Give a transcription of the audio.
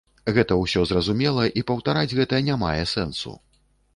Гэта ўсё зразумела і паўтараць гэта не мае сэнсу.